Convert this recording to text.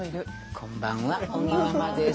こんばんは尾木ママです。